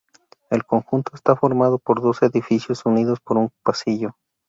El conjunto está formado por dos edificios unidos por un pasillo.